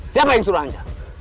siapa yang suruh ancaman